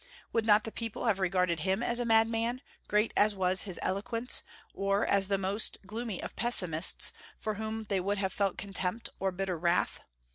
Would not the people have regarded him as a madman, great as was his eloquence, or as the most gloomy of pessimists, for whom they would have felt contempt or bitter wrath?